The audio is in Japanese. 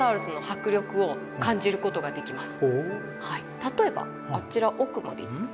例えばあちら奥まで。